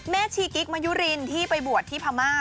ชีกิ๊กมะยุรินที่ไปบวชที่พม่า